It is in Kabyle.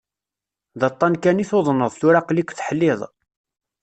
D aṭṭan kan i tuḍneḍ, tura aql-ik teḥliḍ.